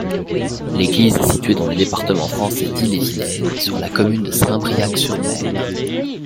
L'église est située dans le département français d'Ille-et-Vilaine, sur la commune de Saint-Briac-sur-Mer.